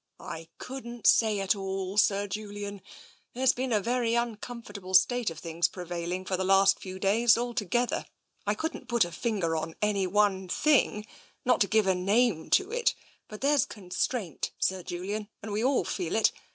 " I couldn't say at all, Sir Julian. There's been a very uncomfortable state of things prevailing for the last few days, altogether. I couldn't put a finger on any one thing not to give a name to it, but there's con straint, Sir Julian, and we all feel it.